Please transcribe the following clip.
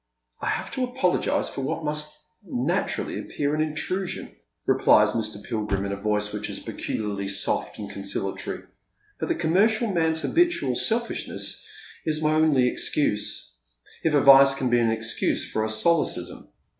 " I have to apologize for what must naturally appear an in trusion," replies Mr. Pilgrim, in a voice which is peculiarly soft and conciliatory, " but the commercial man's habitual selfishness is my only excuse — if a vice can be an excuse for a solecism.